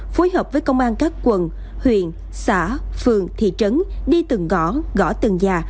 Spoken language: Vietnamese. phối hợp với công an các quận huyện xã phường thị trấn đi từng ngõ gõ từng nhà